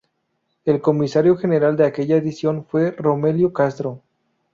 El comisario general de aquella edición fue Romelio Castro.